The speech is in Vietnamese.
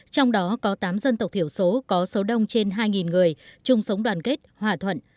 trong đó có tám dân tộc thiểu số có số đông trên hai người chung sống đoàn kết hòa thuận